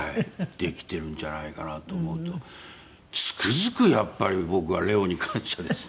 できてるんじゃないかなと思うとつくづくやっぱり僕はレオに感謝ですね。